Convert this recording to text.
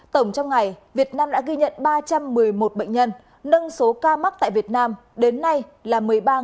tổng trong ngày việt nam đã ghi nhận ba trăm một mươi một bệnh nhân nâng số ca mắc tại việt nam đến nay là một mươi ba hai trăm một mươi một